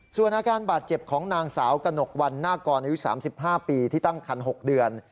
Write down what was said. ส่วนอาการบาดเจ็บของนางสาวกระหนกวันหน้ากรอายุ๓๕ปีที่ตั้งคัน๖เดือน